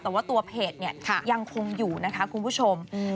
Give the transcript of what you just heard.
แต่ว่าตัวเพจเนี่ยยังคงอยู่นะคะคุณผู้ชม